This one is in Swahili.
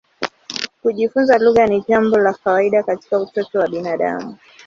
Kujifunza lugha ni jambo la kawaida katika utoto wa binadamu.